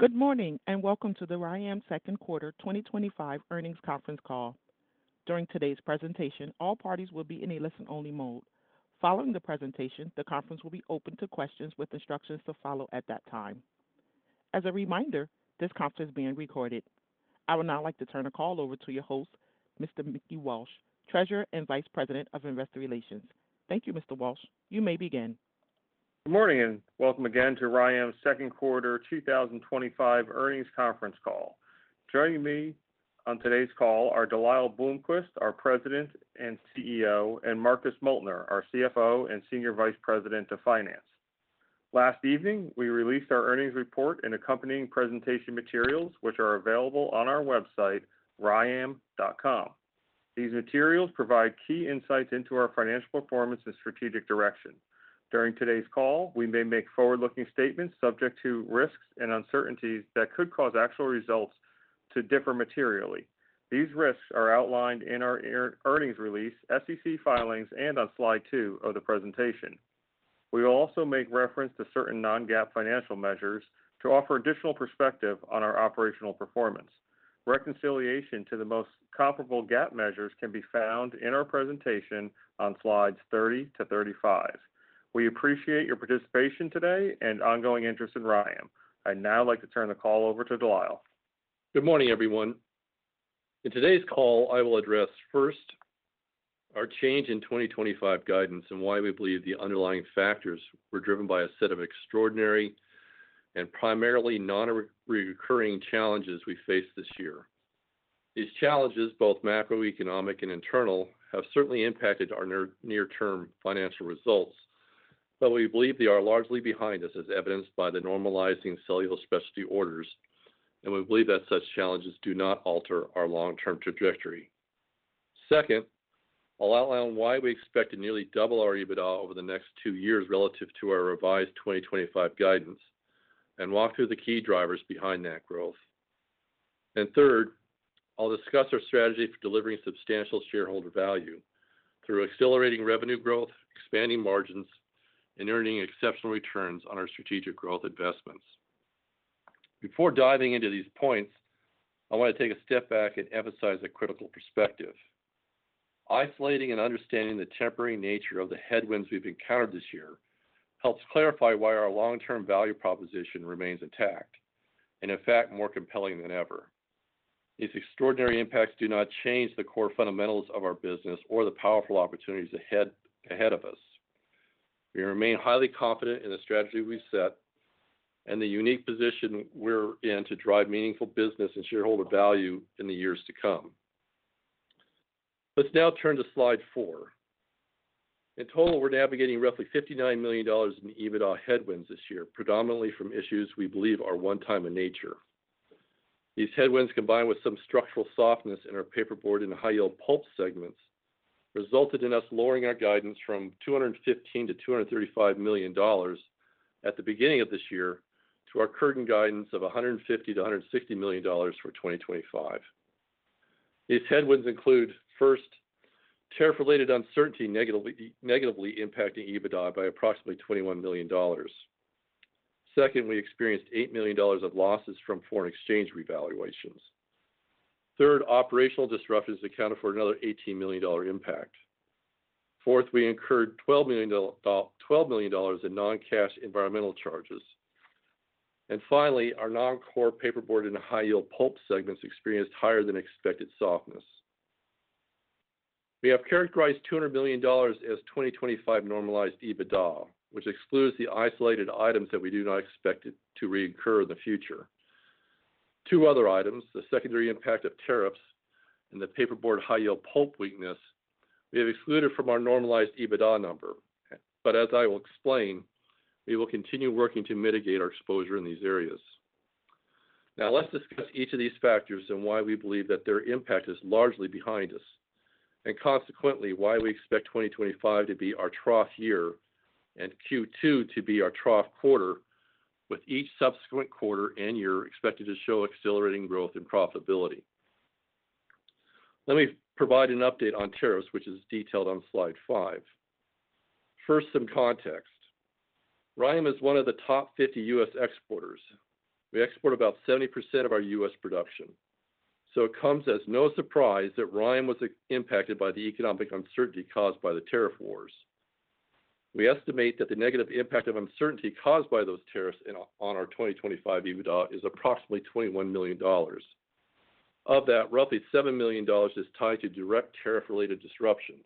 Good morning and welcome to the RYAM Second Quarter 2025 Earnings Conference Call. During today's presentation, all parties will be in a listen-only mode. Following the presentation, the conference will be open to questions with instructions to follow at that time. As a reminder, this conference is being recorded. I would now like to turn the call over to your host, Mr. Mickey Walsh, Treasurer and Vice President of Investor Relations. Thank you, Mr. Walsh. You may begin. Good morning and welcome again to RYAM Second Quarter 2025 Earnings Conference Call. Joining me on today's call are De Lyle Bloomquist, our President and CEO, and Marcus Moeltner, our CFO and Senior Vice President of Finance. Last evening, we released our earnings report and accompanying presentation materials, which are available on our website, ryam.com. These materials provide key insights into our financial performance and strategic direction. During today's call, we may make forward-looking statements subject to risks and uncertainties that could cause actual results to differ materially. These risks are outlined in our earnings release, SEC filings, and on slide two of the presentation. We will also make reference to certain Non-GAAP financial measures to offer additional perspective on our operational performance. Reconciliation to the most comparable GAAP measures can be found in our presentation on slides 30 to 35. We appreciate your participation today and ongoing interest in RYAM. I'd now like to turn the call over to De Lyle. Good morning, everyone. In today's call, I will address first our change in 2025 guidance and why we believe the underlying factors were driven by a set of extraordinary and primarily non-recurring challenges we face this year. These challenges, both macroeconomic and internal, have certainly impacted our near-term financial results, but we believe they are largely behind us, as evidenced by the normalizing Cellulose Specialties orders, and we believe that such challenges do not alter our long-term trajectory. Second, I'll outline why we expect to nearly double our EBITDA over the next two years relative to our revised 2025 guidance and walk through the key drivers behind that growth. Third, I'll discuss our strategy for delivering substantial shareholder value through accelerating revenue growth, expanding margins, and earning exceptional returns on our strategic growth investments. Before diving into these points, I want to take a step back and emphasize a critical perspective. Isolating and understanding the temporary nature of the headwinds we've encountered this year helps clarify why our long-term value proposition remains intact and, in fact, more compelling than ever. These extraordinary impacts do not change the core fundamentals of our business or the powerful opportunities ahead of us. We remain highly confident in the strategy we've set and the unique position we're in to drive meaningful business and shareholder value in the years to come. Let's now turn to slide four. In total, we're navigating roughly $59 million in EBITDA headwinds this year, predominantly from issues we believe are one-time in nature. These headwinds, combined with some structural softness in our paperboard and High-Yield Pulp segments, resulted in us lowering our guidance from $215 to $235 million at the beginning of this year to our current guidance of $150 to $160 million for 2025. These headwinds include, first, tariff-related uncertainty negatively impacting EBITDA by approximately $21 million. Second, we experienced $8 million of losses from foreign exchange revaluations. Third, operational disruptions accounted for another $18 million impact. Fourth, we incurred $12 million in non-cash environmental charges. Finally, our non-core paperboard and High-Yield Pulp segments experienced higher than expected softness. We have characterized $200 million as 2025 normalized EBITDA, which excludes the isolated items that we do not expect to reoccur in the future. Two other items, the secondary impact of tariffs and the paperboard High-Yield Pulp weakness, we have excluded from our normalized EBITDA number. As I will explain, we will continue working to mitigate our exposure in these areas. Now, let's discuss each of these factors and why we believe that their impact is largely behind us, and consequently, why we expect 2025 to be our trough year and Q2 to be our trough quarter, with each subsequent quarter and year expected to show accelerating growth and profitability. Let me provide an update on tariffs, which is detailed on slide five. First, some context. RYAM is one of the top 50 U.S. exporters. We export about 70% of our U.S. production. It comes as no surprise that RYAM was impacted by the economic uncertainty caused by the tariff wars. We estimate that the negative impact of uncertainty caused by those tariffs on our 2025 EBITDA is approximately $21 million. Of that, roughly $7 million is tied to direct tariff-related disruptions,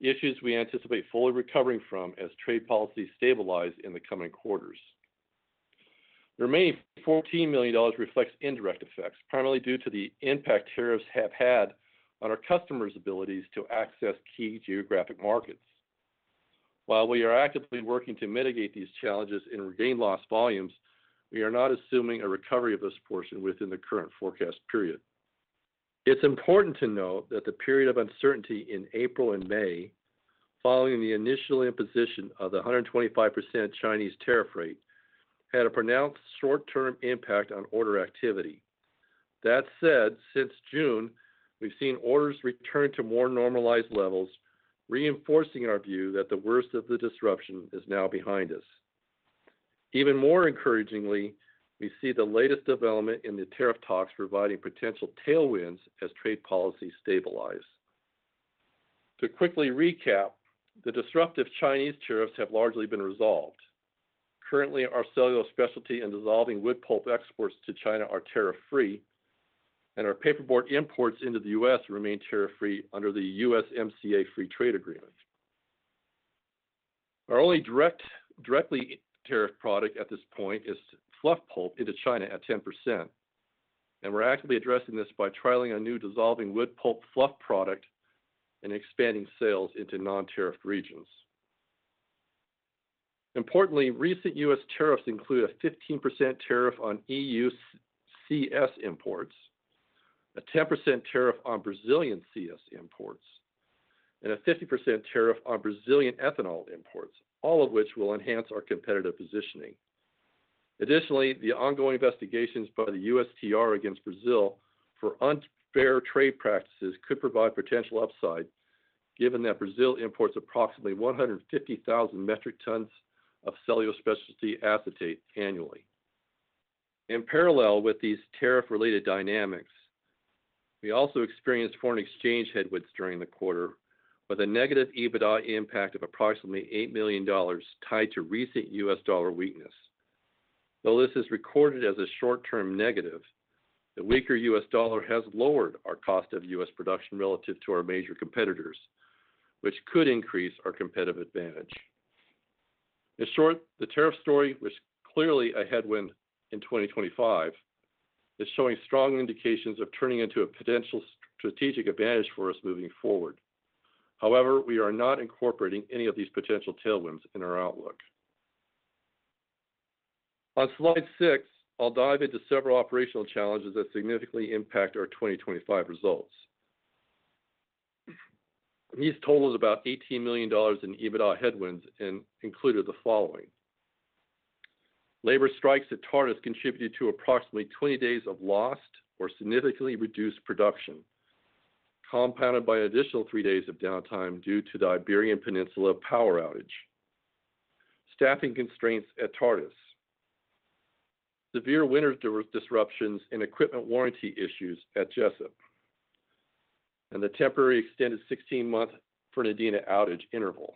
issues we anticipate fully recovering from as trade policies stabilize in the coming quarters. The remaining $14 million reflects indirect effects, primarily due to the impact tariffs have had on our customers' abilities to access key geographic markets. While we are actively working to mitigate these challenges and regain lost volumes, we are not assuming a recovery of this portion within the current forecast period. It's important to note that the period of uncertainty in April and May, following the initial imposition of the 125% Chinese tariff rate, had a pronounced short-term impact on order activity. That said, since June, we've seen orders return to more normalized levels, reinforcing our view that the worst of the disruption is now behind us. Even more encouragingly, we see the latest development in the tariff talks providing potential tailwinds as trade policies stabilize. To quickly recap, the disruptive Chinese tariffs have largely been resolved. Currently, our Dissolving Wood Pulp exports to China are tariff-free, and our Paperboard imports into the U.S. remain tariff-free under the USMCA Free Trade Agreement. Our only directly tariffed product at this point is Fluff Pulp into China at 10%, and we're actively addressing this by trialing Dissolving Wood Pulp fluff product and expanding sales into non-tariffed regions. Importantly, recent U.S. tariffs include a 15% tariff on EU's CS imports, a 10% tariff on Brazilian's CS imports, and a 50% tariff on Brazilian ethanol imports, all of which will enhance our competitive positioning. Additionally, the ongoing investigations by the USTR against Brazil for unfair trade practices could provide potential upside, given that Brazil imports approximately 150,000 metric tons of cellulose specialty acetate annually. In parallel with these tariff-related dynamics, we also experienced foreign exchange headwinds during the quarter, with a negative EBITDA impact of approximately $8 million tied to recent U.S. dollar weakness. Though this is recorded as a short-term negative, the weaker U.S. dollar has lowered our cost of U.S. production relative to our major competitors, which could increase our competitive advantage. In short, the tariff story, which is clearly a headwind in 2025, is showing strong indications of turning into a potential strategic advantage for us moving forward. However, we are not incorporating any of these potential tailwinds in our outlook. On slide six, I'll dive into several operational challenges that significantly impact our 2025 results. These totaled about $18 million in EBITDA headwinds and included the following: Labor strikes at Tartas contributed to approximately 20 days of lost or significantly reduced production, compounded by an additional three days of downtime due to the Iberian Peninsula power outage, staffing constraints at Tartas, severe winter disruptions, and equipment warranty issues at Jessup, and the temporary extended 16-month Fernandina outage interval.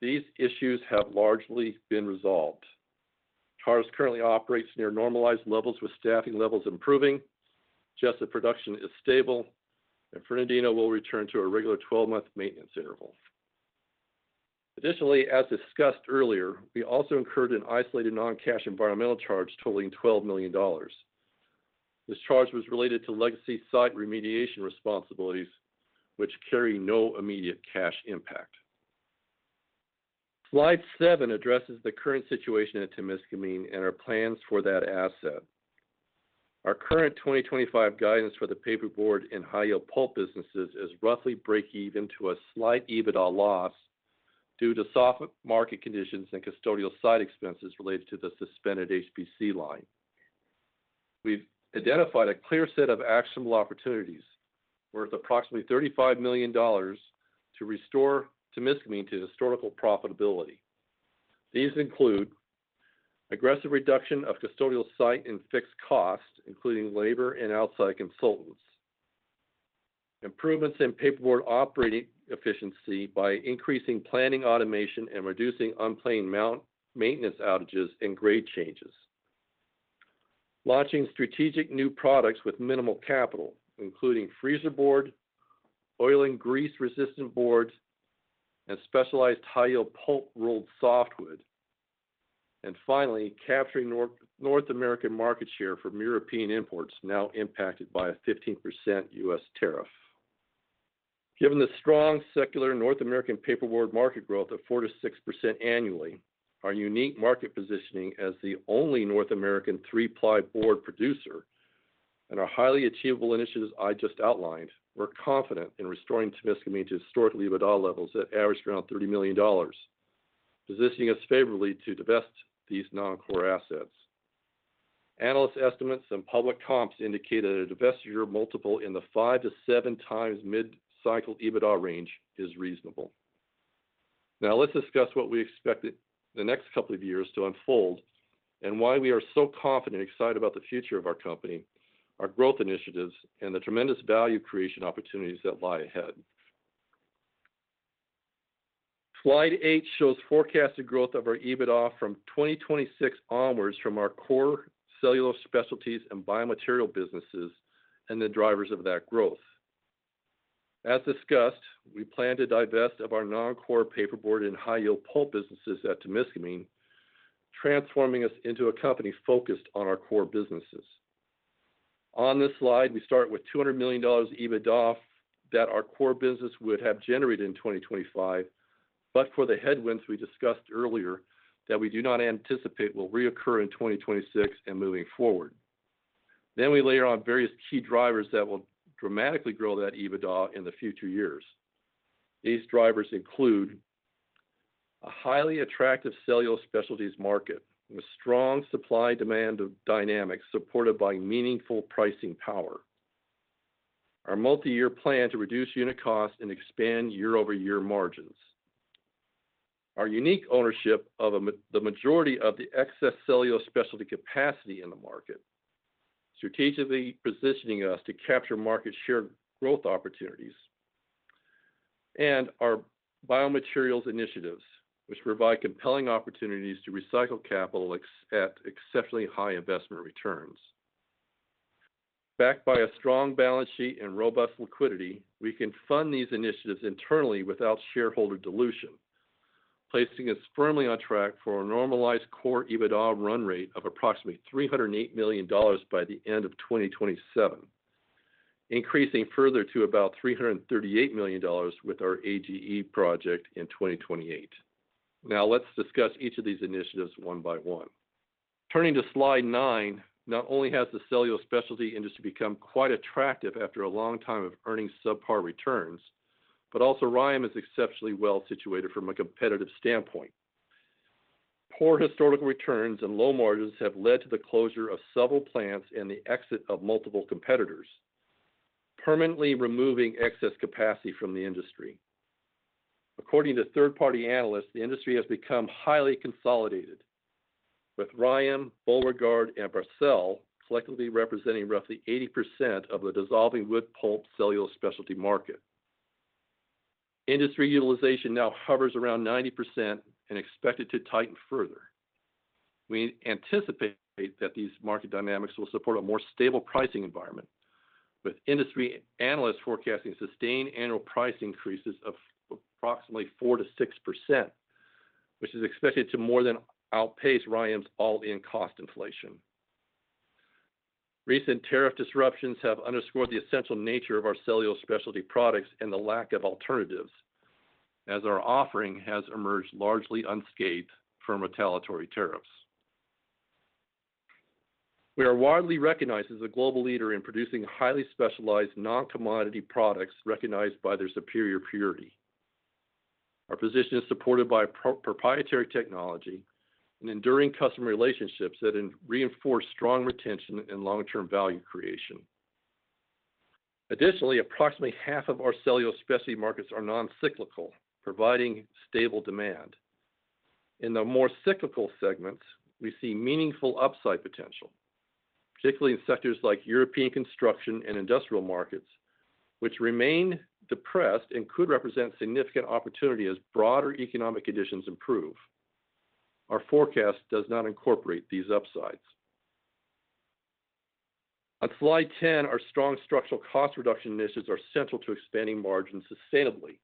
These issues have largely been resolved. Tartas currently operates near normalized levels with staffing levels improving, Jessup production is stable, and Fernandina will return to a regular 12-month maintenance interval. Additionally, as discussed earlier, we also incurred an isolated non-cash environmental charge totaling $12 million. This charge was related to legacy site remediation responsibilities, which carry no immediate cash impact. Slide seven addresses the current situation at Temiskaming and our plans for that asset. Our current 2025 guidance for the paperboard and High-Yield Pulp businesses is roughly break even to a slight EBITDA loss due to soft market conditions and custodial site expenses related to the suspended HPC line. We've identified a clear set of actionable opportunities worth approximately $35 million to restore Temiskaming to historical profitability. These include aggressive reduction of custodial site and fixed costs, including labor and outside consultants, improvements in paperboard operating efficiency by increasing planning automation and reducing unplanned maintenance outages and grade changes, launching strategic new products with minimal capital, including freezer board, oil and grease-resistant boards, and specialized High-Yield Pulp rolled softwood, and finally capturing North American market share from European imports now impacted by a 15% U.S. tariff. Given the strong secular North American paperboard market growth of 4%-6% annually, our unique market positioning as the only North American three-ply board producer, and our highly achievable initiatives I just outlined, we're confident in restoring Temiskaming to historic EBITDA levels that average around $30 million, positioning us favorably to divest these non-core assets. Analyst estimates and public comps indicate that a divestiture multiple in the five to seven times mid-cycle EBITDA range is reasonable. Now let's discuss what we expect in the next couple of years to unfold and why we are so confident and excited about the future of our company, our growth initiatives, and the tremendous value creation opportunities that lie ahead. Slide eight shows forecasted growth of our EBITDA from 2026 onwards from our core Cellulose Specialties and Biomaterials businesses and the drivers of that growth. As discussed, we plan to divest of our non-core paperboard and High-Yield Pulp businesses at Temiskaming, transforming us into a company focused on our core businesses. On this slide, we start with $200 million EBITDA that our core business would have generated in 2025, but for the headwinds we discussed earlier that we do not anticipate will reoccur in 2026 and moving forward. We layer on various key drivers that will dramatically grow that EBITDA in the future years. These drivers include a highly attractive Cellulose Specialties market with strong supply-demand dynamics supported by meaningful pricing power, our multi-year plan to reduce unit costs and expand year-over-year margins, our unique ownership of the majority of the excess cellulose specialty capacity in the market, strategically positioning us to capture market share growth opportunities, and our Biomaterials initiatives, which provide compelling opportunities to recycle capital at exceptionally high investment returns. Backed by a strong balance sheet and robust liquidity, we can fund these initiatives internally without shareholder dilution, placing us firmly on track for a normalized core EBITDA run rate of approximately $308 million by the end of 2027, increasing further to about $338 million with our AGE project in 2028. Now let's discuss each of these initiatives one by one. Turning to slide nine, not only has the Cellulose Specialties industry become quite attractive after a long time of earning subpar returns, but also RYAM is exceptionally well situated from a competitive standpoint. Poor historical returns and low margins have led to the closure of several plants and the exit of multiple competitors, permanently removing excess capacity from the industry. According to third-party analysts, the industry has become highly consolidated, with RYAM, Borregaard, and Bracell collectively representing roughly 80% of the Dissolving Wood Pulp cellulose specialty market. Industry utilization now hovers around 90% and is expected to tighten further. We anticipate that these market dynamics will support a more stable pricing environment, with industry analysts forecasting sustained annual price increases of approximately 4%-6%, which is expected to more than outpace RYAM's all-in cost inflation. Recent tariff-related disruptions have underscored the essential nature of our Cellulose Specialties products and the lack of alternatives, as our offering has emerged largely unscathed from retaliatory tariffs. We are widely recognized as a global leader in producing highly specialized non-commodity products recognized by their superior purity. Our position is supported by proprietary technology and enduring customer relationships that reinforce strong retention and long-term value creation. Additionally, approximately half of our Cellulose Specialties markets are non-cyclical, providing stable demand. In the more cyclical segments, we see meaningful upside potential, particularly in sectors like European construction and industrial markets, which remain depressed and could represent significant opportunity as broader economic conditions improve. Our forecast does not incorporate these upsides. On slide 10, our strong structural cost reduction initiatives are central to expanding margins sustainably.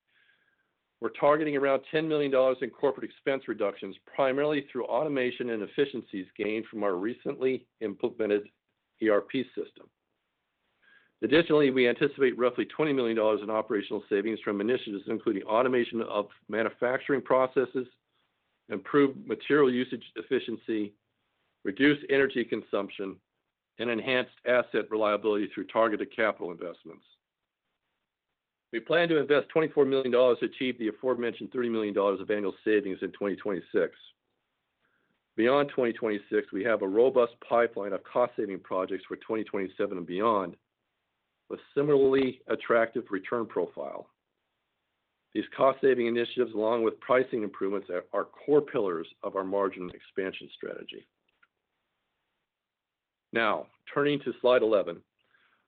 We're targeting around $10 million in corporate expense reductions, primarily through automation and efficiencies gained from our recently implemented ERP system. Additionally, we anticipate roughly $20 million in operational savings from initiatives including automation of manufacturing processes, improved material usage efficiency, reduced energy consumption, and enhanced asset reliability through targeted capital investments. We plan to invest $24 million to achieve the aforementioned $30 million of annual savings in 2026. Beyond 2026, we have a robust pipeline of cost-saving projects for 2027 and beyond, with a similarly attractive return profile. These cost-saving initiatives, along with pricing improvements, are core pillars of our margin expansion strategy. Now, turning to slide 11,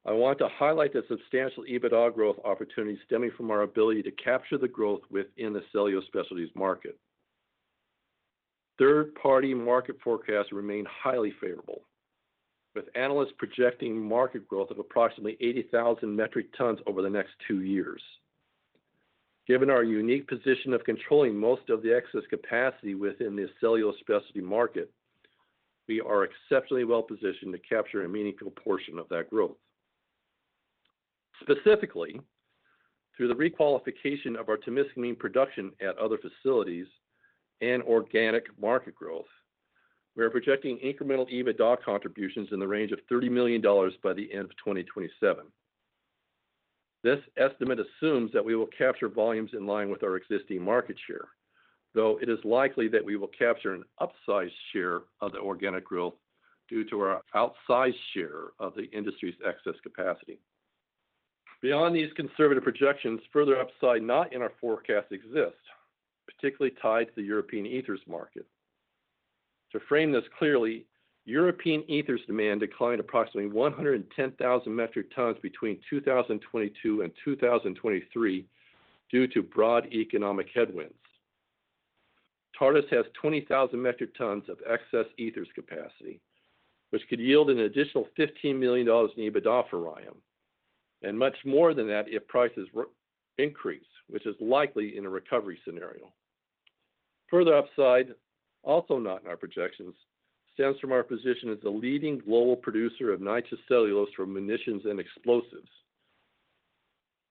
I want to highlight the substantial EBITDA growth opportunities stemming from our ability to capture the growth within the Cellulose Specialties market. Third-party market forecasts remain highly favorable, with analysts projecting market growth of approximately 80,000 metric tons over the next two years. Given our unique position of controlling most of the excess capacity within the Cellulose Specialties market, we are exceptionally well positioned to capture a meaningful portion of that growth. Specifically, through the requalification of our Temiskaming production at other facilities and organic market growth, we are projecting incremental EBITDA contributions in the range of $30 million by the end of 2027. This estimate assumes that we will capture volumes in line with our existing market share, though it is likely that we will capture an upsized share of the organic growth due to our outsized share of the industry's excess capacity. Beyond these conservative projections, further upside not in our forecast exists, particularly tied to the European ether market. To frame this clearly, European ether demand declined approximately 110,000 metric tons between 2022 and 2023 due to broad economic headwinds. Tartas has 20,000 metric tons of excess ether capacity, which could yield an additional $15 million in EBITDA for RYAM, and much more than that if prices increase, which is likely in a recovery scenario. Further upside, also not in our projections, stems from our position as the leading global producer of nitrocellulose for munitions and explosives,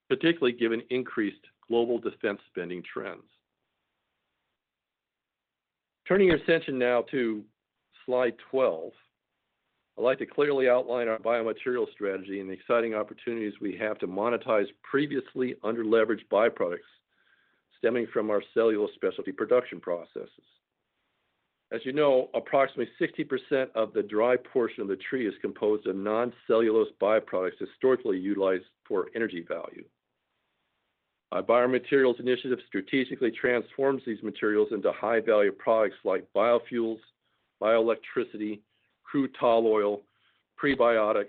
particularly given increased global defense spending trends. Turning your attention now to slide 12, I'd like to clearly outline our Biomaterials strategy and the exciting opportunities we have to monetize previously under-leveraged byproducts stemming from our Cellulose Specialties production processes. As you know, approximately 60% of the dry portion of the tree is composed of non-cellulose byproducts historically utilized for energy value. Our Biomaterials initiative strategically transforms these materials into high-value products like biofuels, bioelectricity, crude tall oil, prebiotics,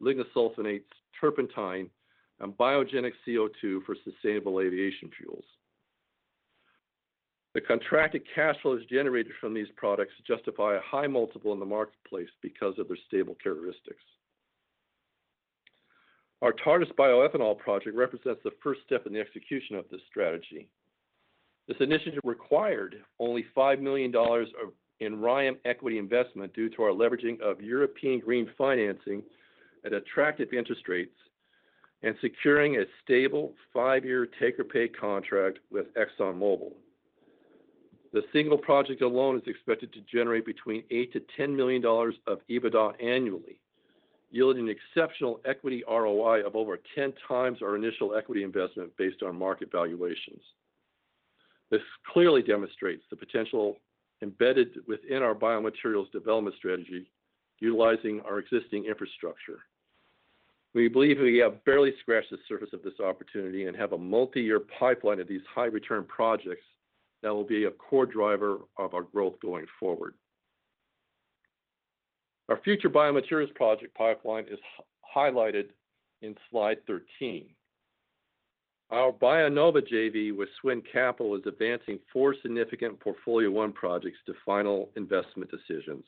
lignosulfonates, turpentine, and biogenic CO2 for sustainable aviation fuels. The contracted cash flows generated from these products justify a high multiple in the marketplace because of their stable characteristics. Our Tartas bioethanol project represents the first step in the execution of this strategy. This initiative required only $5 million in RYAM equity investment due to our leveraging of European green financing at attractive interest rates and securing a stable five-year take-or-pay contract with ExxonMobil. The single project alone is expected to generate between $8 million to $10 million of EBITDA annually, yielding an exceptional equity ROI of over 10x our initial equity investment based on market valuations. This clearly demonstrates the potential embedded within our Biomaterials development strategy, utilizing our existing infrastructure. We believe we have barely scratched the surface of this opportunity and have a multi-year pipeline of these high-return projects that will be a core driver of our growth going forward. Our future Biomaterials project pipeline is highlighted in slide 13. Our BioNova JV with Swin Capital is advancing four significant portfolio one projects to final investment decisions.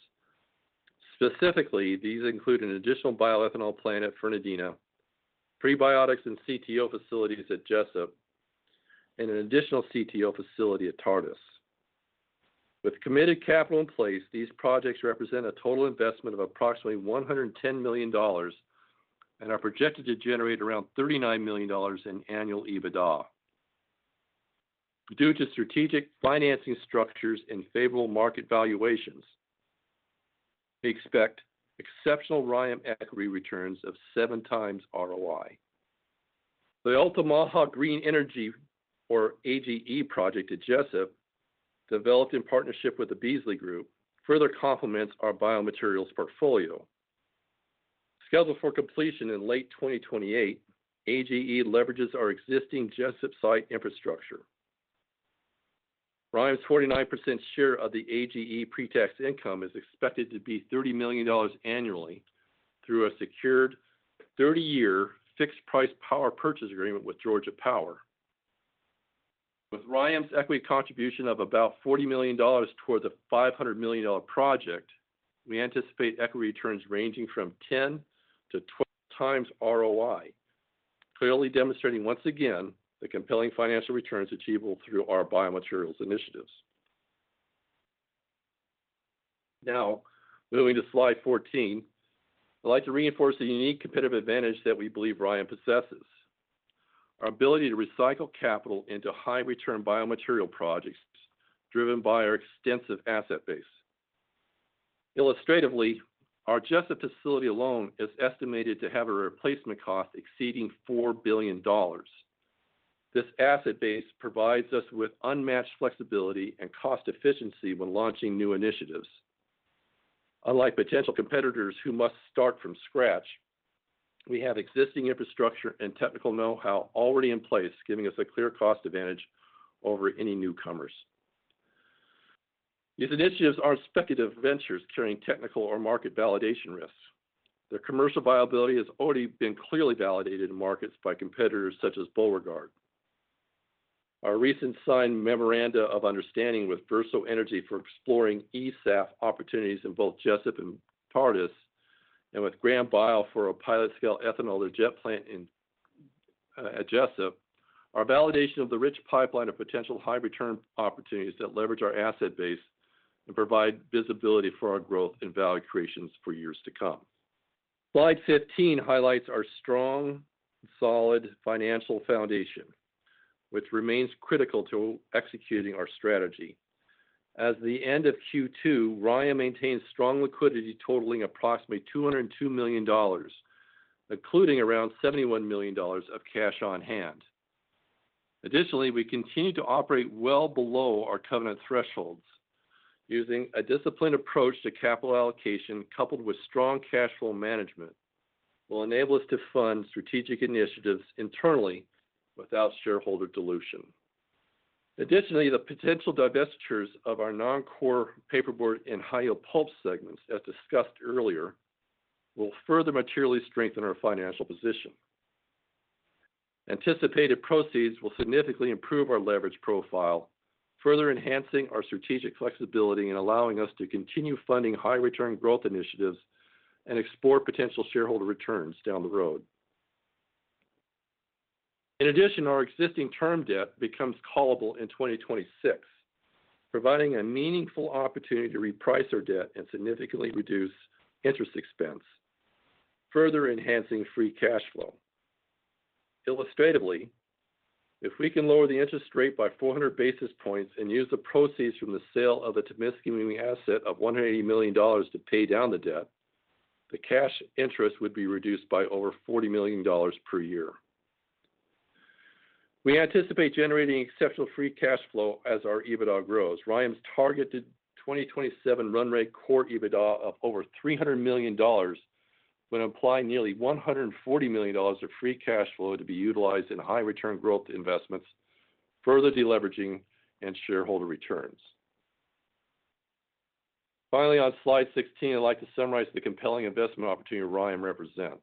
Specifically, these include an additional bioethanol plant at Fernandina, prebiotics and CTO facilities at Jessup, and an additional CTO facility at Tartas. With committed capital in place, these projects represent a total investment of approximately $110 million and are projected to generate around $39 million in annual EBITDA. Due to strategic financing structures and favorable market valuations, we expect exceptional RYAM equity returns of seven times ROI. The Altamaha Green Energy, or AGE, project at Jessup, developed in partnership with the Beasley Group, further complements our Biomaterials portfolio. Scheduled for completion in late 2028, AGE leverages our existing Jessup site infrastructure. RYAM's 49% share of the AGE pretext income is expected to be $30 million annually through a secured 30-year fixed-price power purchase agreement with Georgia Power. With RYAM's equity contribution of about $40 million toward the $500 million project, we anticipate equity returns ranging from 10x to 20x ROI, clearly demonstrating once again the compelling financial returns achievable through our Biomaterials initiatives. Now, moving to slide 14, I'd like to reinforce the unique competitive advantage that we believe RYAM possesses: our ability to recycle capital into high-return biomaterial projects driven by our extensive asset base. Illustratively, our Jessup facility alone is estimated to have a replacement cost exceeding $4 billion. This asset base provides us with unmatched flexibility and cost efficiency when launching new initiatives. Unlike potential competitors who must start from scratch, we have existing infrastructure and technical know-how already in place, giving us a clear cost advantage over any newcomers. These initiatives aren't speculative ventures carrying technical or market validation risks. Their commercial viability has already been clearly validated in markets by competitors such as Beasley Group. Our recent signed memoranda of understanding with Verso Energy for exploring ESAP opportunities in both Jessup and the Tartas bioethanol project, and with BioNova for a pilot scale ethanol reject plant at Jessup, are validation of the rich pipeline of potential high-return opportunities that leverage our asset base and provide visibility for our growth and value creations for years to come. Slide 15 highlights our strong and solid financial foundation, which remains critical to executing our strategy. As of the end of Q2, RYAM maintains strong liquidity totaling approximately $202 million, including around $71 million of cash on hand. Additionally, we continue to operate well below our covenant thresholds. Using a disciplined approach to capital allocation, coupled with strong cash flow management, will enable us to fund strategic initiatives internally without shareholder dilution. Additionally, the potential divestitures of our non-core paperboard and High-Yield Pulp segments, as discussed earlier, will further materially strengthen our financial position. Anticipated proceeds will significantly improve our leverage profile, further enhancing our strategic flexibility and allowing us to continue funding high-return growth initiatives and explore potential shareholder returns down the road. In addition, our existing term debt becomes callable in 2026, providing a meaningful opportunity to reprice our debt and significantly reduce interest expense, further enhancing free cash flow. Illustratively, if we can lower the interest rate by 400 basis points and use the proceeds from the sale of the Temiskaming asset of $180 million to pay down the debt, the cash interest would be reduced by over $40 million per year. We anticipate generating exceptional free cash flow as our EBITDA grows. RYAMs' targeted 2027 run rate core EBITDA of over $300 million would imply nearly $140 million of free cash flow to be utilized in high-return growth investments, further deleveraging and shareholder returns. Finally, on slide 16, I'd like to summarize the compelling investment opportunity RYAM represents.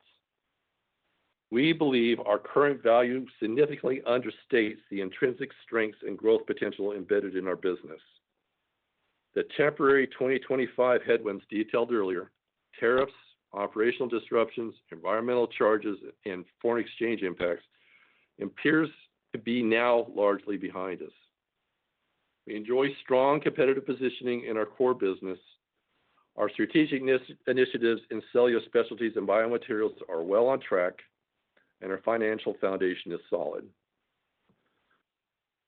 We believe our current value significantly understates the intrinsic strengths and growth potential embedded in our business. The temporary 2025 headwinds detailed earlier, tariffs, operational disruptions, environmental charges, and foreign exchange impacts, appear to be now largely behind us. We enjoy strong competitive positioning in our core business. Our strategic initiatives in Cellulose Specialties and Biomaterials are well on track, and our financial foundation is solid.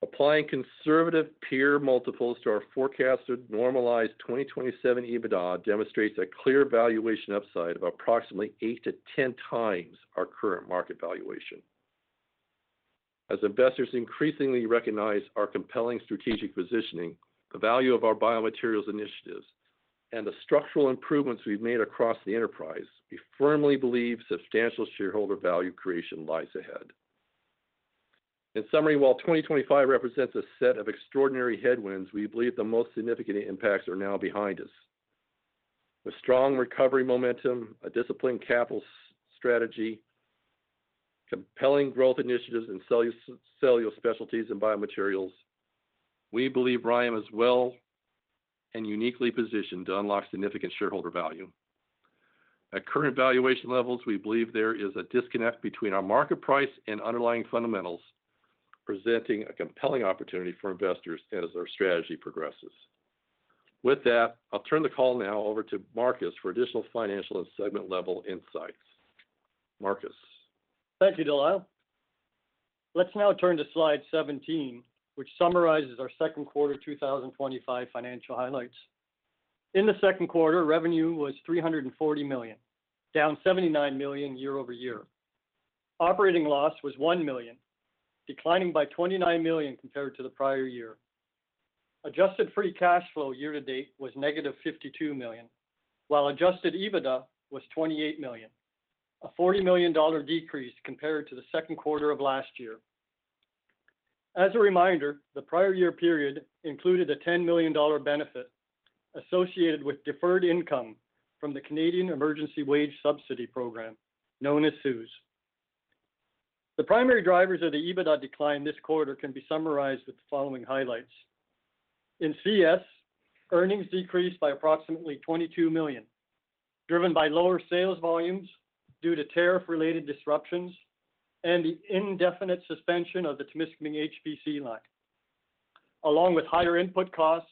Applying conservative peer multiples to our forecasted normalized 2027 EBITDA demonstrates a clear valuation upside of approximately 8-10x our current market valuation. As investors increasingly recognize our compelling strategic positioning, the value of our Biomaterials initiatives, and the structural improvements we've made across the enterprise, we firmly believe substantial shareholder value creation lies ahead. In summary, while 2025 represents a set of extraordinary headwinds, we believe the most significant impacts are now behind us. With strong recovery momentum, a disciplined capital strategy, compelling growth initiatives in Cellulose Specialties and Biomaterials, we believe RYAM is well and uniquely positioned to unlock significant shareholder value. At current valuation levels, we believe there is a disconnect between our market price and underlying fundamentals, presenting a compelling opportunity for investors as our strategy progresses. With that, I'll turn the call now over to Marcus for additional financial and segment-level insights. Marcus. Thank you, De Lyle. Let's now turn to slide 17, which summarizes our second quarter 2025 financial highlights. In the second quarter, revenue was $340 million, down $79 million year-over-year. Operating loss was $1 million, declining by $29 million compared to the prior year. Adjusted free cash flow year-to-date was negative $52 million, while adjusted EBITDA was $28 million, a $40 million decrease compared to the second quarter of last year. As a reminder, the prior year period included a $10 million benefit associated with deferred income from the Canadian Emergency Wage Subsidy Program, known as CEWS. The primary drivers of the EBITDA decline this quarter can be summarized with the following highlights. In CS, earnings decreased by approximately $22 million, driven by lower sales volumes due to tariff-related disruptions and the indefinite suspension of the Temiskaming HPC line, along with higher input costs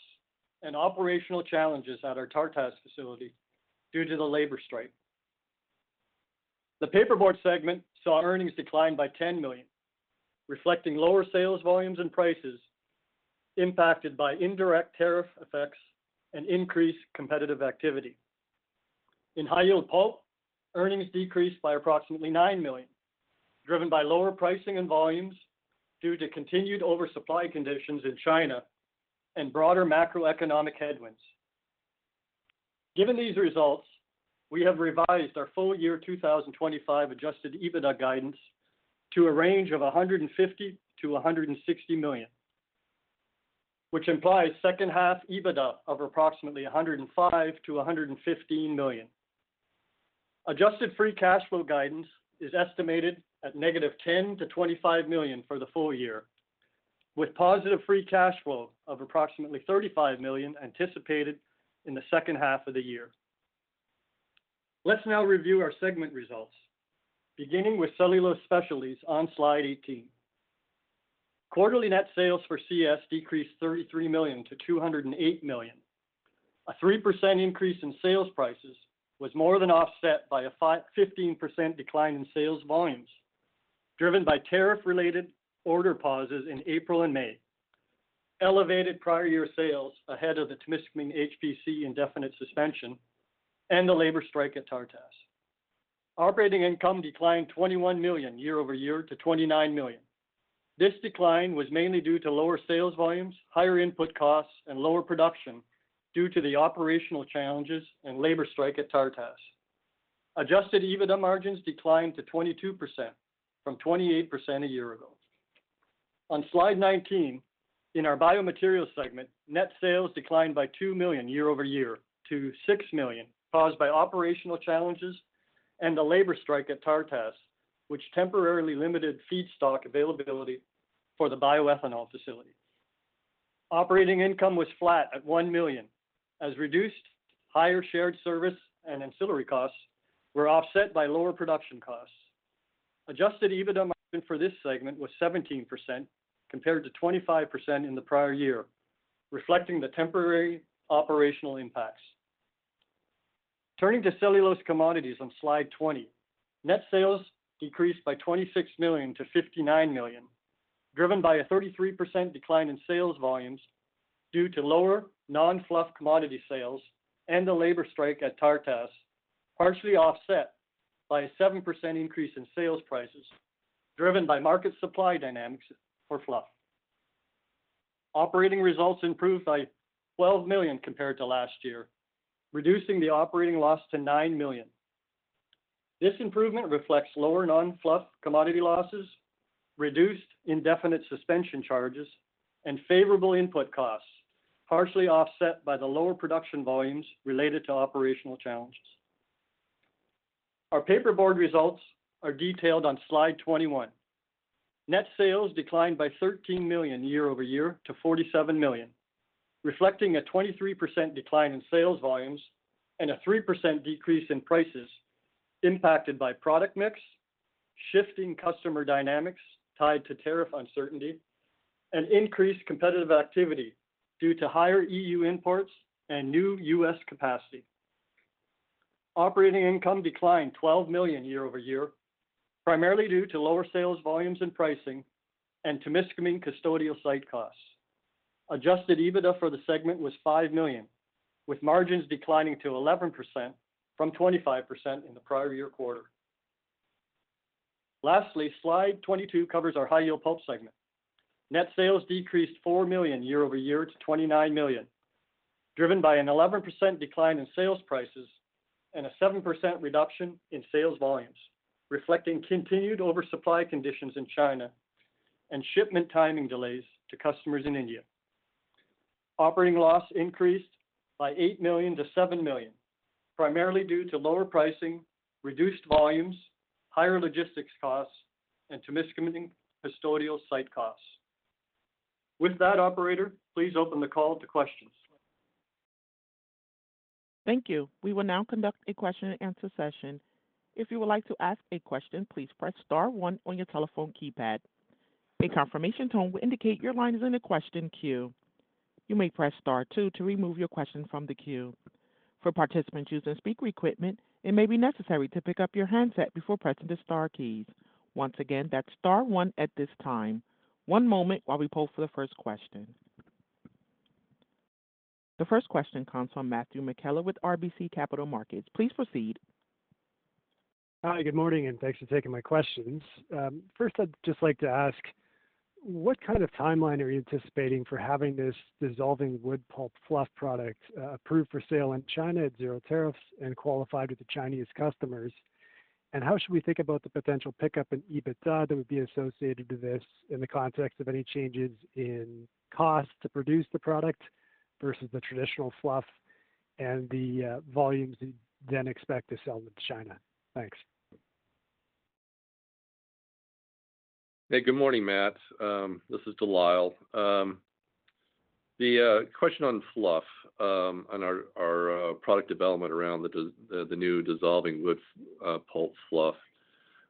and operational challenges at our Tartas facility due to the labor strike. The paperboard segment saw earnings decline by $10 million, reflecting lower sales volumes and prices impacted by indirect tariff effects and increased competitive activity. In High-Yield Pulp, earnings decreased by approximately $9 million, driven by lower pricing and volumes due to continued oversupply conditions in China and broader macroeconomic headwinds. Given these results, we have revised our full-year 2025 adjusted EBITDA guidance to a range of $150-$160 million, which implies second-half EBITDA of approximately $105-$115 million. Adjusted free cash flow guidance is estimated at negative $10-$25 million for the full year, with positive free cash flow of approximately $35 million anticipated in the second half of the year. Let's now review our segment results, beginning with Cellulose Specialties on slide 18. Quarterly net sales for CS decreased $33 million to $208 million. A 3% increase in sales prices was more than offset by a 15% decline in sales volumes, driven by tariff-related order pauses in April and May, elevated prior year sales ahead of the Temiskaming HPC indefinite suspension, and the labor strike at Tartas. Operating income declined $21 million year-over-year to $29 million. This decline was mainly due to lower sales volumes, higher input costs, and lower production due to the operational challenges and labor strike at Tartas. Adjusted EBITDA margins declined to 22%-28% a year ago. On slide 19, in our Biomaterials segment, net sales declined by $2 million year-over-year to $6 million, caused by operational challenges and the labor strike at Tartas, which temporarily limited feedstock availability for the bioethanol facility. Operating income was flat at $1 million, as reduced higher shared service and ancillary costs were offset by lower production costs. Adjusted EBITDA margin for this segment was 17% compared to 25% in the prior year, reflecting the temporary operational impacts. Turning to cellulose commodities on slide 20, net sales decreased by $26 million to $59 million, driven by a 33% decline in sales volumes due to lower non-fluff commodity sales and the labor strike at Tartas, partially offset by a 7% increase in sales prices, driven by market supply dynamics for fluff. Operating results improved by $12 million compared to last year, reducing the operating loss to $9 million. This improvement reflects lower non-fluff commodity losses, reduced indefinite suspension charges, and favorable input costs, partially offset by the lower production volumes related to operational challenges. Our paperboard results are detailed on slide 21. Net sales declined by $13 million year-over-year to $47 million, reflecting a 23% decline in sales volumes and a 3% decrease in prices impacted by product mix, shifting customer dynamics tied to tariff uncertainty, and increased competitive activity due to higher EU imports and new U.S. capacity. Operating income declined $12 million year-over-year, primarily due to lower sales volumes and pricing and Temiskaming custodial site costs. Adjusted EBITDA for the segment was $5 million, with margins declining to 11% from 25% in the prior year quarter. Lastly, slide 22 covers our High-Yield Pulp segment. Net sales decreased $4 million year-over-year to $29 million, driven by an 11% decline in sales prices and a 7% reduction in sales volumes, reflecting continued oversupply conditions in China and shipment timing delays to customers in India. Operating loss increased by $8 million-$7 million, primarily due to lower pricing, reduced volumes, higher logistics costs, and Temiskaming custodial site costs. With that, operator, please open the call to questions. Thank you. We will now conduct a question and answer session. If you would like to ask a question, please press star one on your telephone keypad. A confirmation tone will indicate your line is in a question queue. You may press star two to remove your question from the queue. For participants using speaker equipment, it may be necessary to pick up your handset before pressing the star keys. Once again, that's star one at this time. One moment while we poll for the first question. The first question comes from Matthew McKellar with RBC Capital Markets. Please proceed. Hi, good morning, and thanks for taking my questions. First, I'd just like to ask, what kind of timeline are you anticipating for having this Dissolving Wood Pulp fluff product approved for sale in China at zero tariffs and qualified with the Chinese customers? How should we think about the potential pickup in EBITDA that would be associated with this in the context of any changes in cost to produce the product versus the traditional fluff and the volumes that you then expect to sell with China? Thanks. Hey, good morning, Matt. This is De Lyle. The question on fluff, on our product development around the new Dissolving Wood Pulp fluff,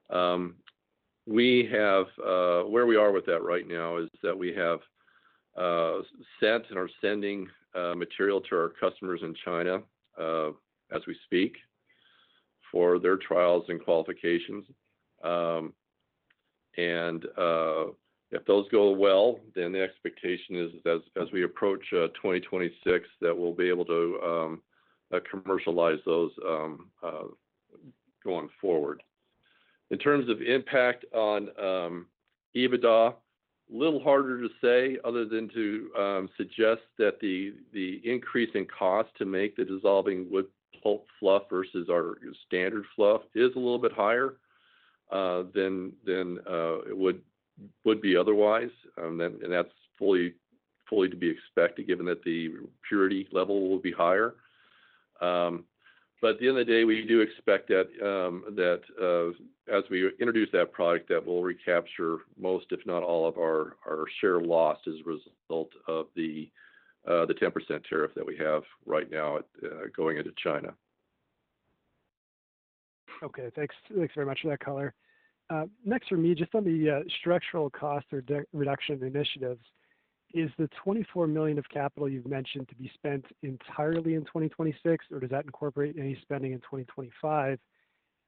where we are with that right now is that we have sent and are sending material to our customers in China as we speak for their trials and qualifications. If those go well, the expectation is that as we approach 2026, we'll be able to commercialize those going forward. In terms of impact on EBITDA, a little harder to say other than to suggest that the increase in cost to make the Dissolving Wood Pulp fluff versus our standard fluff is a little bit higher than it would be otherwise. That's fully to be expected given that the purity level will be higher. At the end of the day, we do expect that as we introduce that product, we'll recapture most, if not all, of our share loss as a result of the 10% tariff that we have right now going into China. Okay, thanks very much for that, Color. Next from me, just on the structural cost or reduction of initiatives, is the $24 million of capital you've mentioned to be spent entirely in 2026, or does that incorporate any spending in 2025?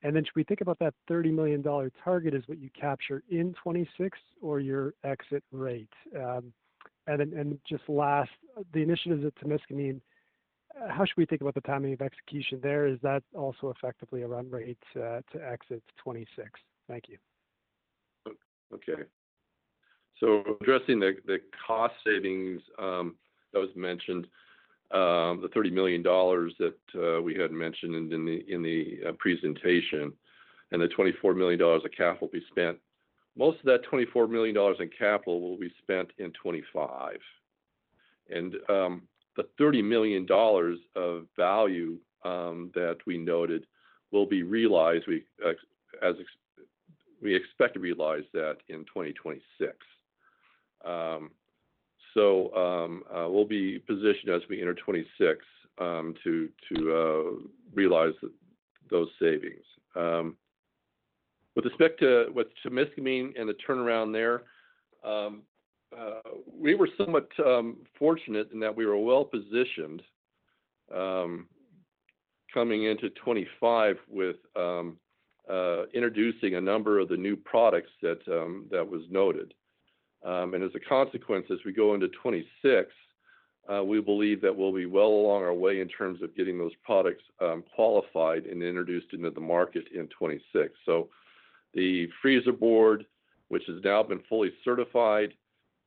Should we think about that $30 million target as what you capture in 2026 or your exit rate? Just last, the initiatives at Temiskaming, how should we think about the timing of execution there? Is that also effectively a run rate to exit 2026? Thank you. Okay. Addressing the cost savings that was mentioned, the $30 million that we had mentioned in the presentation, and the $24 million of capital will be spent. Most of that $24 million in capital will be spent in 2025. The $30 million of value that we noted will be realized, we expect to realize that in 2026. We will be positioned as we enter 2026 to realize those savings. With respect to Temiskaming and the turnaround there, we were somewhat fortunate in that we were well positioned coming into 2025 with introducing a number of the new products that were noted. As a consequence, as we go into 2026, we believe that we'll be well along our way in terms of getting those products qualified and introduced into the market in 2026. The freezer board, which has now been fully certified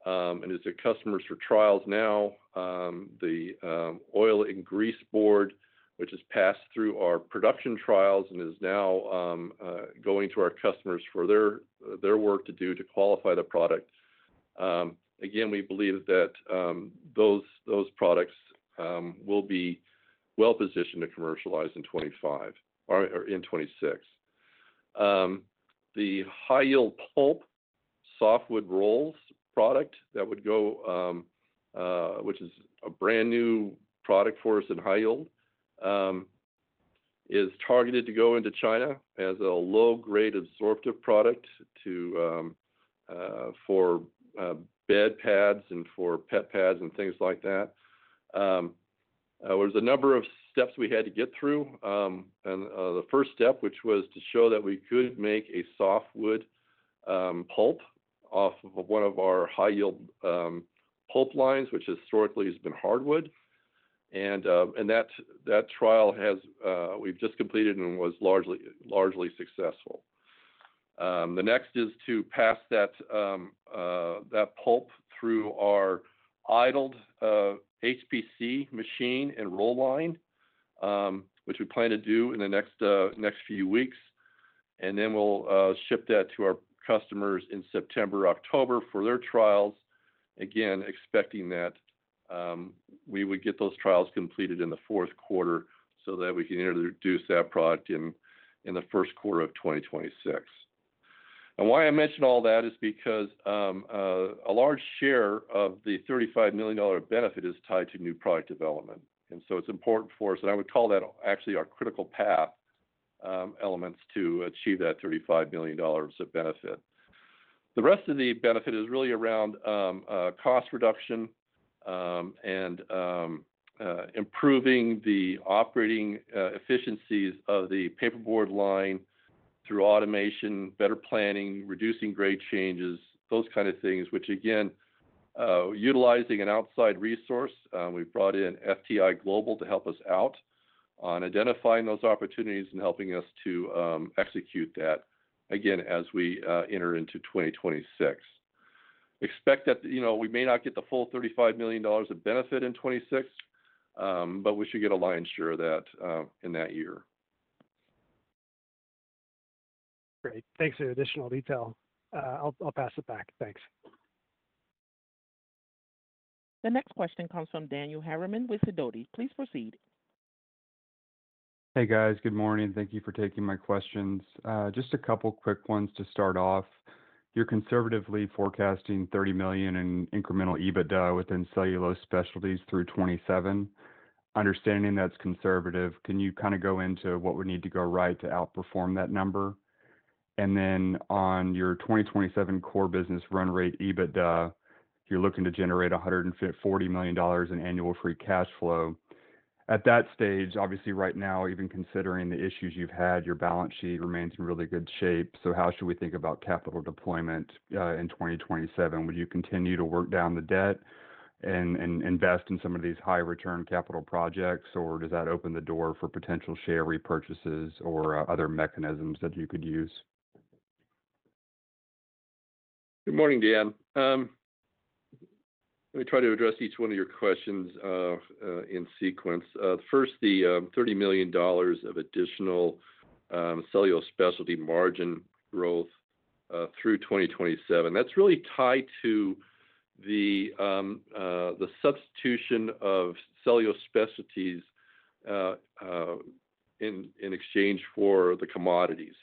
and is at customers for trials now, and the oil and grease board, which has passed through our production trials and is now going to our customers for their work to do to qualify the product. We believe that those products will be well positioned to commercialize in 2025 or in 2026. The High-Yield Pulp softwood rolls product, which is a brand new product for us in high-yield, is targeted to go into China as a low-grade absorptive product for bed pads and for pet pads and things like that. There are a number of steps we had to get through. The first step was to show that we could make a softwood pulp off of one of our High-Yield Pulp lines, which historically has been hardwood. That trial we've just completed and was largely successful. The next is to pass that pulp through our idled HPC machine and roll line, which we plan to do in the next few weeks. We will then ship that to our customers in September, October for their trials, expecting that we would get those trials completed in the fourth quarter so that we can introduce that product in the first quarter of 2026. A large share of the $35 million benefit is tied to new product development. It is important for us, and I would call that actually our critical path elements to achieve that $35 million of benefit. The rest of the benefit is really around cost reduction and improving the operating efficiencies of the paperboard line through automation, better planning, reducing grade changes, those kinds of things. Utilizing an outside resource, we brought in FTI Global to help us out on identifying those opportunities and helping us to execute that as we enter into 2026. We may not get the full $35 million of benefit in 2026, but we should get a lion's share of that in that year. Great. Thanks for the additional detail. I'll pass it back. Thanks. The next question comes from Daniel Harriman with Sidoti. Please proceed. Hey, guys. Good morning. Thank you for taking my questions. Just a couple of quick ones to start off. You're conservatively forecasting $30 million in incremental EBITDA within Cellulose Specialties through 2027. Understanding that's conservative, can you kind of go into what would need to go right to outperform that number? On your 2027 core business run rate EBITDA, you're looking to generate $140 million in annual free cash flow. At that stage, obviously, right now, even considering the issues you've had, your balance sheet remains in really good shape. How should we think about capital deployment in 2027? Would you continue to work down the debt and invest in some of these high-return capital projects, or does that open the door for potential share repurchases or other mechanisms that you could use? Good morning, Dan. Let me try to address each one of your questions in sequence. First, the $30 million of additional Cellulose Specialties margin growth through 2027. That's really tied to the substitution of Cellulose Specialties in exchange for the commodities.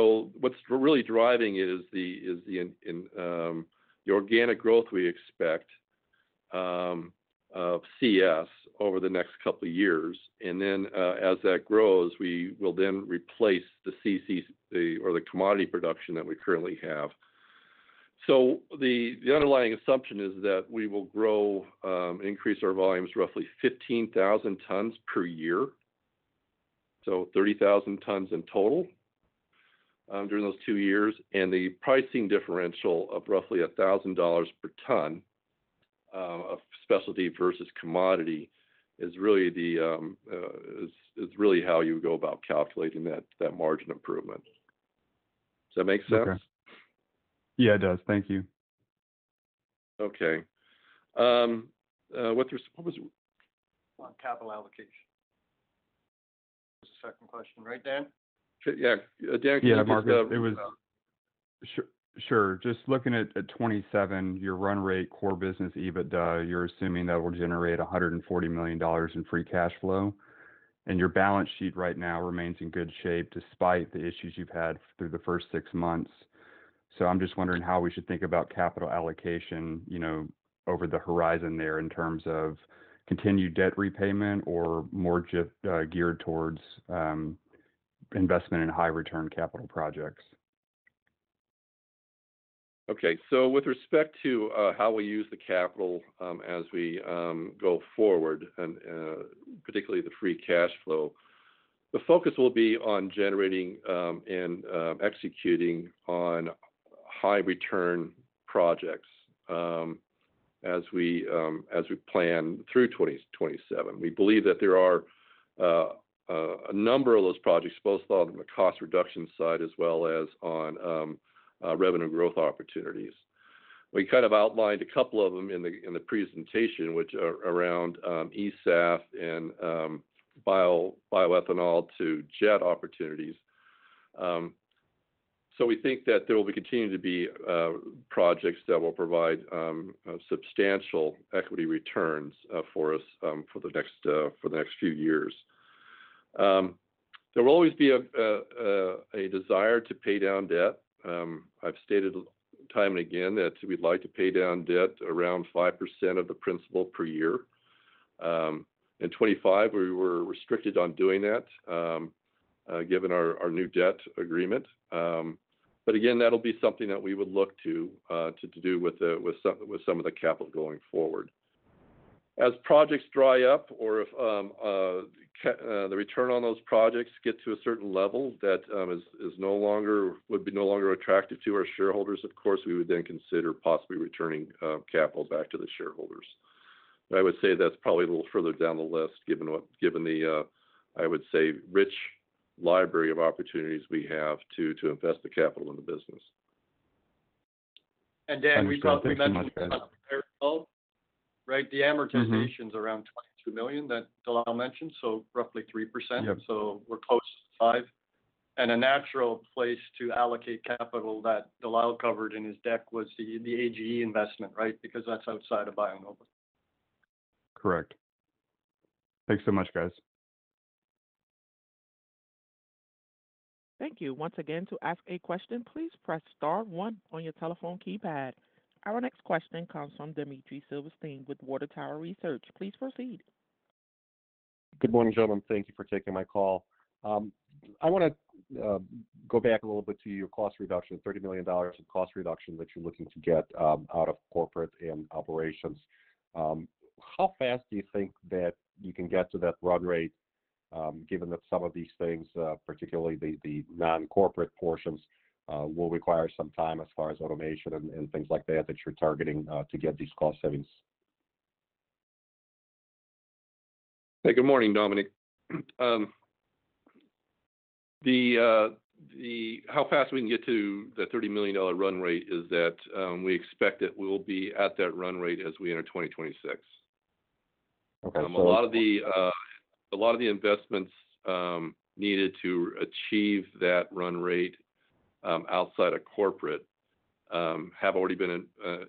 What's really driving it is the organic growth we expect of CS over the next couple of years. As that grows, we will then replace the CC or the commodity production that we currently have. The underlying assumption is that we will grow and increase our volumes roughly 15,000 tons per year, so 30,000 tons in total during those two years. The pricing differential of roughly $1,000 per ton of specialty versus commodity is really how you go about calculating that margin improvement. Does that make sense? Okay, yeah, it does. Thank you. Okay. On capital allocation. Second question, right, Dan? Yeah. Yeah, Marcus. Yeah, Marcus. Sure. Just looking at 2027, your run rate core business EBITDA, you're assuming that it will generate $140 million in free cash flow. Your balance sheet right now remains in good shape despite the issues you've had through the first six months. I'm just wondering how we should think about capital allocation over the horizon there in terms of continued debt repayment or more geared towards investment in high-return capital projects. Okay. With respect to how we use the capital as we go forward, and particularly the free cash flow, the focus will be on generating and executing on high-return projects as we plan through 2027. We believe that there are a number of those projects, both on the cost reduction side as well as on revenue growth opportunities. We outlined a couple of them in the presentation, which are around e-SAF and bioethanol to jet opportunities. We think that there will continue to be projects that will provide substantial equity returns for us for the next few years. There will always be a desire to pay down debt. I've stated time and again that we'd like to pay down debt around 5% of the principal per year. In 2025, we were restricted on doing that given our new debt agreement. Again, that'll be something that we would look to do with some of the capital going forward. As projects dry up or if the return on those projects get to a certain level that would be no longer attractive to our shareholders, of course, we would then consider possibly returning capital back to the shareholders. I would say that's probably a little further down the list given the, I would say, rich library of opportunities we have to invest the capital in the business. Dan, we brought the metrics up. The amortization is around $22 million that De Lyle mentioned, so roughly 3%. We're close to 5%. A natural place to allocate capital that De Lyle covered in his deck was the AGE investment, because that's outside of BioNova. Correct. Thanks so much, guys. Thank you. Once again, to ask a question, please press star one on your telephone keypad. Our next question comes from Dmitry Silversteyn with Water Tower Research. Please proceed. Good morning, gentlemen. Thank you for taking my call. I want to go back a little bit to your cost reduction, $30 million of cost reduction that you're looking to get out of corporate and operations. How fast do you think that you can get to that run rate, given that some of these things, particularly the non-corporate portions, will require some time as far as automation and things like that that you're targeting to get these cost savings? Hey, good morning, Dominic. How fast we can get to the $30 million run rate is that we expect it will be at that run rate as we enter 2026. Okay. A lot of the investments needed to achieve that run rate outside of corporate have already been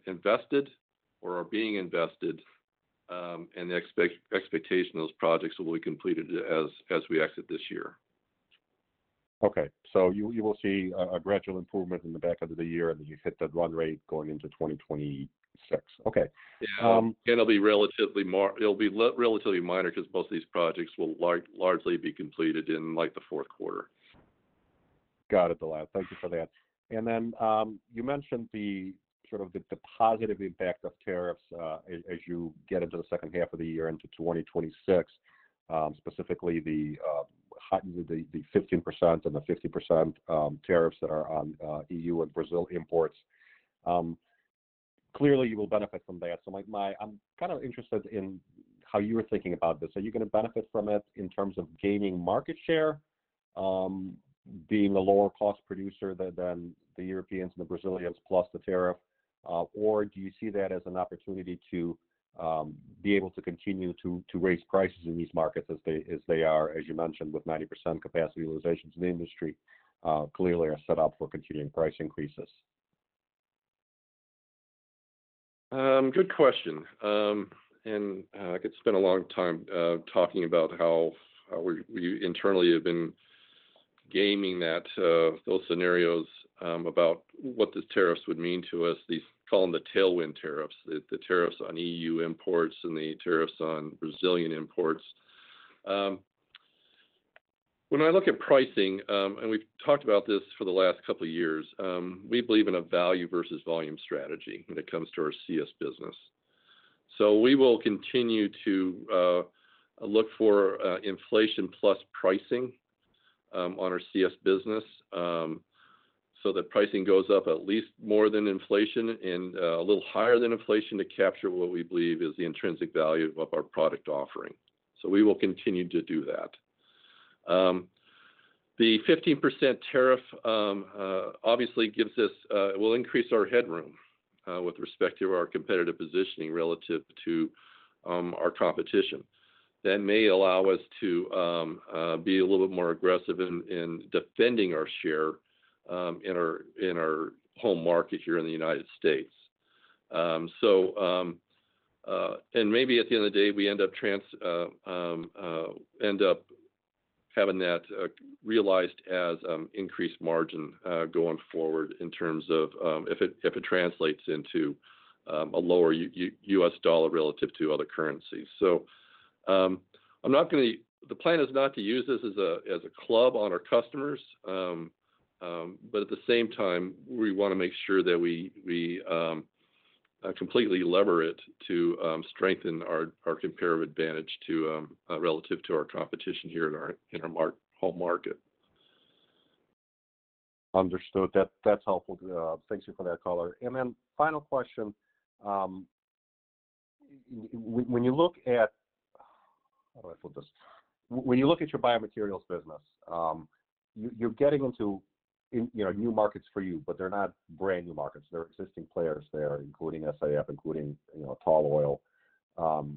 invested or are being invested, and the expectation is those projects will be completed as we exit this year. You will see a gradual improvement in the back end of the year, and then you hit that run rate going into 2026. It'll be relatively minor, because most of these projects will largely be completed in the fourth quarter. Got it, De Lyle. Thank you for that. You mentioned the sort of the positive impact of tariffs as you get into the second half of the year into 2026, specifically the 15% and the 50% tariffs that are on EU and Brazil imports. Clearly, you will benefit from that. I'm kind of interested in how you're thinking about this. Are you going to benefit from it in terms of gaining market share, being a lower-cost producer than the Europeans and the Brazilians, plus the tariff? Do you see that as an opportunity to be able to continue to raise prices in these markets as they are, as you mentioned, with 90% capacity utilization in the industry, clearly are set up for continuing price increases? Good question. I could spend a long time talking about how we internally have been gaming those scenarios about what the tariffs would mean to us, these, call them the tailwind tariffs, the tariffs on EU imports and the tariffs on Brazilian imports. When I look at pricing, and we've talked about this for the last couple of years, we believe in a value versus volume strategy when it comes to our CS business. We will continue to look for inflation plus pricing on our Cellulose Specialties business so that pricing goes up at least more than inflation and a little higher than inflation to capture what we believe is the intrinsic value of our product offering. We will continue to do that. The 15% tariff obviously gives us, it will increase our headroom with respect to our competitive positioning relative to our competition. That may allow us to be a little bit more aggressive in defending our share in our home market here in the United States. Maybe at the end of the day, we end up having that realized as increased margin going forward in terms of if it translates into a lower U.S. dollar relative to other currencies. I'm not going to, the plan is not to use this as a club on our customers, but at the same time, we want to make sure that we completely lever it to strengthen our comparative advantage relative to our competition here in our home market. Understood. That's helpful. Thank you for that, Color. Final question. When you look at your Biomaterials business, you're getting into new markets for you, but they're not brand new markets. There are existing players there, including SAF, including tall oil.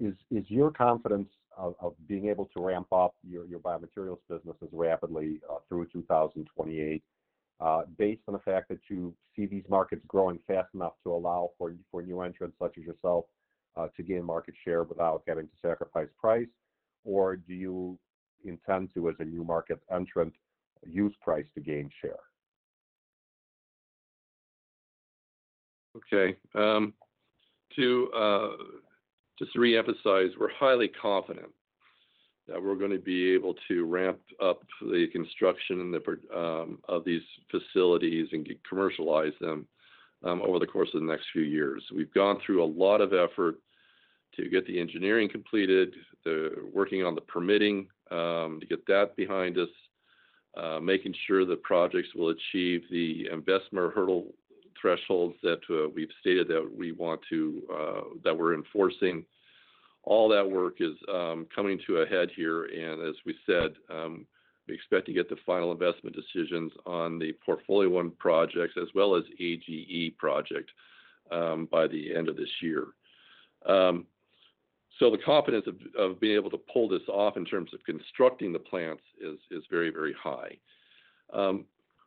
Is your confidence of being able to ramp up your Biomaterials businesses rapidly through 2028 based on the fact that you see these markets growing fast enough to allow for new entrants such as yourself to gain market share without having to sacrifice price? Or do you intend to, as a new market entrant, use price to gain share? Okay. To just reemphasize, we're highly confident that we're going to be able to ramp up the construction of these facilities and commercialize them over the course of the next few years. We've gone through a lot of effort to get the engineering completed, working on the permitting to get that behind us, making sure the projects will achieve the investment hurdle thresholds that we've stated that we want to, that we're enforcing. All that work is coming to a head here. As we said, we expect to get the final investment decisions on the portfolio one projects, as well as the AGE project, by the end of this year. The confidence of being able to pull this off in terms of constructing the plants is very, very high.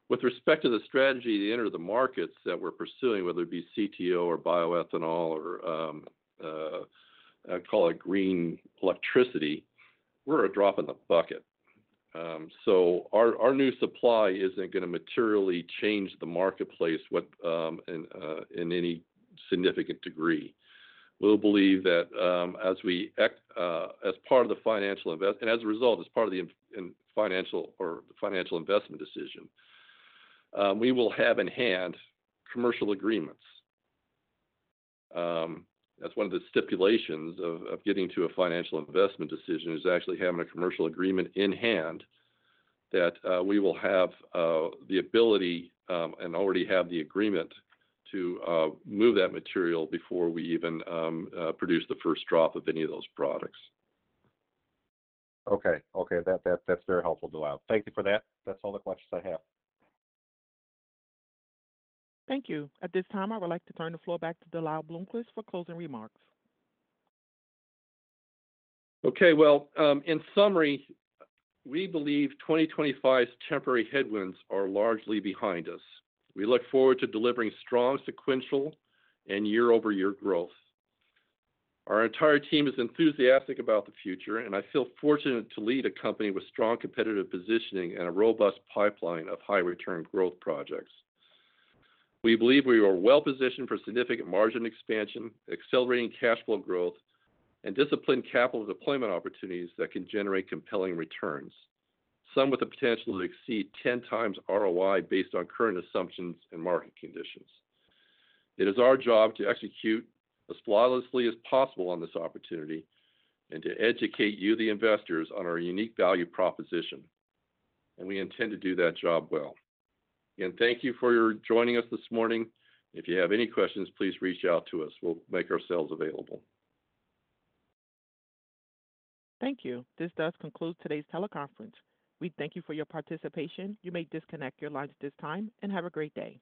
With respect to the strategy to enter the markets that we're pursuing, whether it be CTO or bioethanol or, I call it green electricity, we're a drop in the bucket. Our new supply isn't going to materially change the marketplace in any significant degree. We'll believe that as part of the financial investment, and as a result, as part of the financial or the financial investment decision, we will have in hand commercial agreements. That's one of the stipulations of getting to a financial investment decision is actually having a commercial agreement in hand that we will have the ability and already have the agreement to move that material before we even produce the first drop of any of those products. Okay. Okay. That's very helpful, De Lyle. Thank you for that. That's all the questions I have. Thank you. At this time, I would like to turn the floor back to De Lyle Bloomquist for closing remarks. In summary, we believe 2025's temporary headwinds are largely behind us. We look forward to delivering strong sequential and year-over-year growth. Our entire team is enthusiastic about the future, and I feel fortunate to lead a company with strong competitive positioning and a robust pipeline of high-return growth projects. We believe we are well positioned for significant margin expansion, accelerating cash flow growth, and disciplined capital deployment opportunities that can generate compelling returns, some with the potential to exceed 10x ROI based on current assumptions and market conditions. It is our job to execute as flawlessly as possible on this opportunity and to educate you, the investors, on our unique value proposition. We intend to do that job well. Thank you for joining us this morning. If you have any questions, please reach out to us. We'll make ourselves available. Thank you. This does conclude today's teleconference. We thank you for your participation. You may disconnect your lines at this time and have a great day.